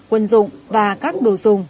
quân dụng và các đồ dụng